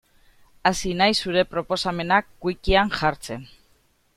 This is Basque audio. Hasi naiz zure proposamenak wikian jartzen.